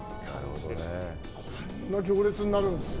こんな行列になるんですね。